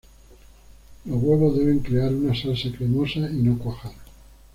Los huevos deben crear una salsa cremosa y no cuajar.